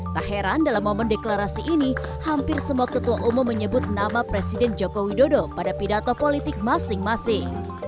tak heran dalam momen deklarasi ini hampir semua ketua umum menyebut nama presiden joko widodo pada pidato politik masing masing